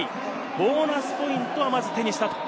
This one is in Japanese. ボーナスポイントはまず手にした。